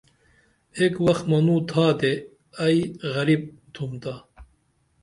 ایک وخ منو تھاتے ائی غریب تھمتا